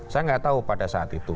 saya nggak tahu pada saat itu